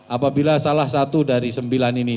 apabila salah satu dari sembilan ini